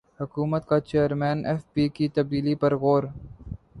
حکومت کا chairman F B کی تبدیلی پر غور